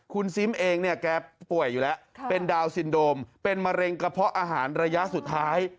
คุณซิมเองเนี่ยแกป่วยอยู่แล้วเป็นดาวนซินโดมเป็นมะเร็งกระเพาะอาหารระยะสุดท้าย